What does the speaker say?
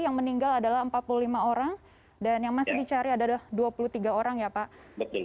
yang meninggal adalah empat puluh lima orang dan yang masih dicari adalah dua puluh tiga orang ya pak